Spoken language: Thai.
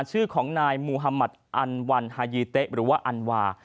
ชื่อของนายมูฮามัติอันวันฮายีเต๊ะหรือว่าอันวา